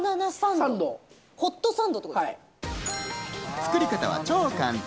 作り方は超簡単！